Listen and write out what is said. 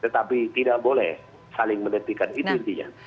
tetapi tidak boleh saling menetikan itu intinya